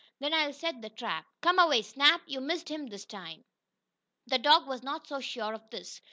Then I'll set the trap. Come away Snap. You missed him that time." The dog was not so sure of this.